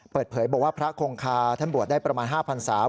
เปิดเผยบอกว่าพระคงคาท่านบวชได้ประมาณ๕พันศา